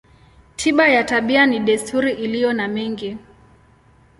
Tiba ya tabia ni desturi iliyo na mengi.